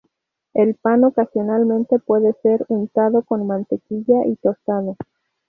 El pan ocasionalmente puede ser untado con mantequilla y tostado.